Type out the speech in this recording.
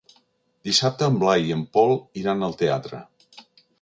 Dissabte en Blai i en Pol iran al teatre.